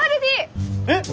えっ！